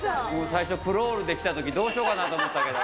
最初、クロールで来たとき、どうしようかなと思ったけど。